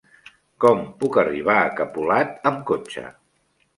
Com puc arribar a Capolat amb cotxe?